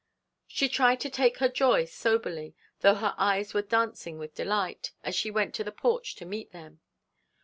She tried to take her joy soberly, though her eyes were dancing with delight, as she went to the porch to meet them.